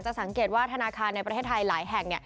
สังเกตว่าธนาคารในประเทศไทยหลายแห่ง